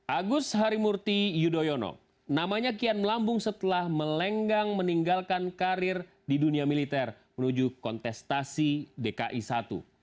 agus harimurti yudhoyono namanya kian melambung setelah melenggang meninggalkan karir di dunia militer menuju kontestasi dki i